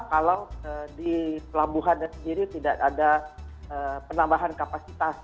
kalau di pelabuhannya sendiri tidak ada penambahan kapasitas